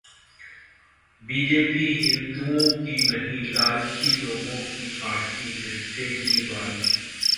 BJP हिंदुओं की नहीं, लालची लोगों की पार्टी है: केजरीवाल